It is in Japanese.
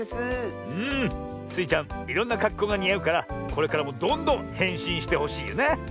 いろんなかっこうがにあうからこれからもどんどんへんしんしてほしいよな。